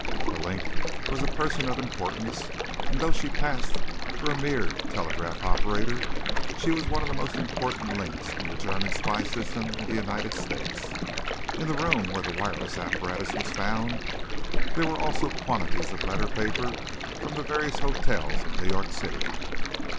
"The Link" was a person of importance, and though she passed for a mere telegraph operator, she was one of the most important links in the German spy system in the United States. In the room where the wireless apparatus was found there were also quantities of letter paper from the various hotels of New York City.